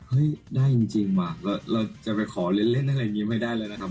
ได้จริงว่ะเราจะไปขอเล่นอะไรอย่างนี้ไม่ได้เลยนะครับ